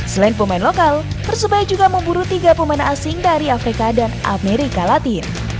selain pemain lokal persebaya juga memburu tiga pemain asing dari afrika dan amerika latin